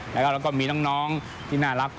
แล้วก็มีน้องที่น่ารัก